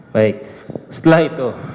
baik setelah itu